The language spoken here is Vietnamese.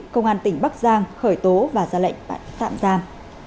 công an tỉnh bắc giang khởi tố và ra lệnh bắt tạm giam